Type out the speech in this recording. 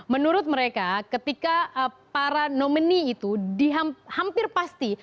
menurut mereka ketika para nominee itu di hampir pasti